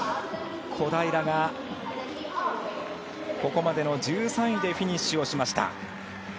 小平がここまでの１３位でフィニッシュをしました。